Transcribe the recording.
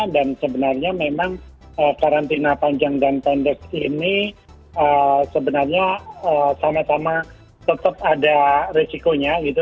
dan sebenarnya memang karantina panjang dan pendek ini sebenarnya sama sama tetap ada risikonya gitu